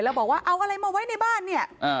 แล้วบอกว่าเอาอะไรมาไว้ในบ้านเนี่ย